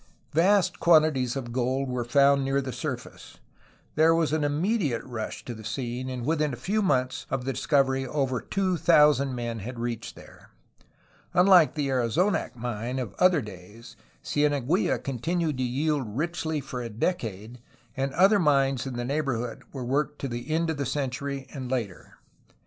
Vast quantities of gold were found near the surface. There was an immediate rush to the scene, and within a few months of the discovery over two thousand men had reached there. Unlike the Arizonac mine of other days Cieneguilla continued to yield richly for a decade, and other mines in the neighborhood were worked to the end of the century and later.